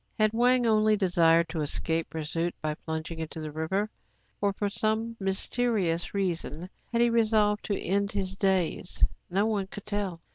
Had Wang only desired to escape pursuit by plunging into the rîver, or, for some mysterious reason, had he resolved to end his days.^ no one could tell.